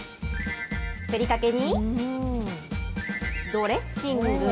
ふりかけに、ドレッシング。